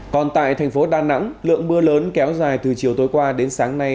còn tại thành phố đà nẵng lượng mưa lớn kéo dài từ chiều tối qua đến sáng nay